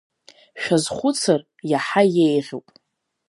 Шәазхәыцыр иаҳа иеиӷьуп.